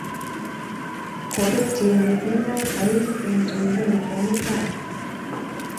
Kobet Jembet nennyo ain eng' tumdo ne komie kaa